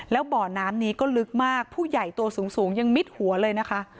แล้วบ่อน้ำนี้ก็ลึกมากผู้ใหญ่ตัวสูงยังมิดหัวเลยนะคะ